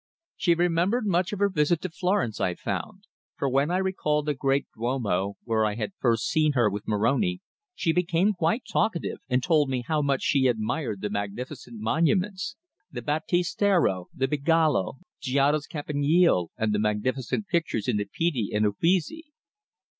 She remembered much of her visit to Florence, I found, for when I recalled the great Duomo, where I had first seen her with Moroni, she became quite talkative and told me how much she admired the magnificent monuments the Battistero, the Bigallo, Giotto's campanile and the magnificent pictures in the Pitti and Uffizi.